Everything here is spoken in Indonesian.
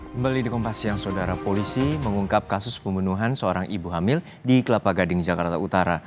kembali di kompas siang saudara polisi mengungkap kasus pembunuhan seorang ibu hamil di kelapa gading jakarta utara